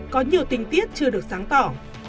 có nhiều tinh tiết chưa được sáng tỏ